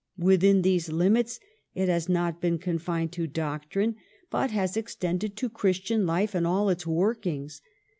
Within these limits it has not been confined to doctrine, but has extended to Christian life and all its workings.